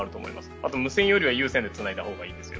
あと、無線より有線でつないだほうがいいですよ。